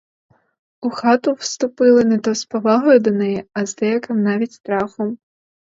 У хату вступили не то з повагою до неї, а з деяким навіть страхом.